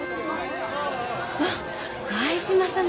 あっ相島様。